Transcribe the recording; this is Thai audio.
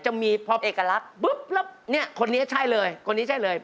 จะมีพร้อมเอกลักษณ์ปุ๊บแล้วเนี่ยคนนี้ใช่เลยคนนี้ใช่เลย